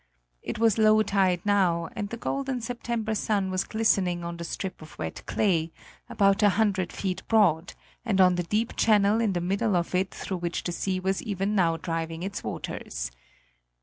It was low tide now, and the golden September sun was glistening on the strip of wet clay, about a hundred feet broad, and on the deep channel in the middle of it through which the sea was even now driving its waters.